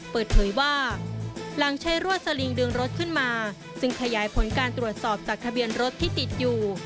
เปิดเผยว่าหลังใช้รวดสลิงดึงรถขึ้นมาจึงขยายผลการตรวจสอบจากทะเบียนรถที่ติดอยู่